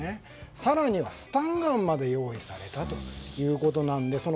更には、スタンガンまで用意されたということで。